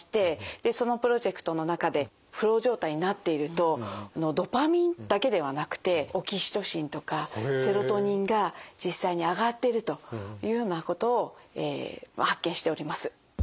そのプロジェクトの中でフロー状態になっているとドパミンだけではなくてオキシトシンとかセロトニンが実際に上がってるというようなことを発見しております。